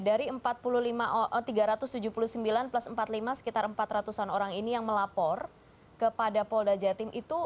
dari tiga ratus tujuh puluh sembilan plus empat puluh lima sekitar empat ratus an orang ini yang melapor kepada polda jatim itu